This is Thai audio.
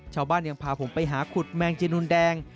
ชาวบ้านยังพาผมไปหาขุดแมงจีนูนแดง